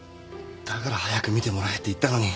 だから早く診てもらえって言ったのに。